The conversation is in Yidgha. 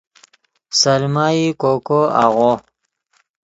سلمہ ای کوکو آغو